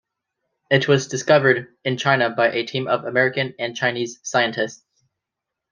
It was discovered in China by a team of American and Chinese scientists.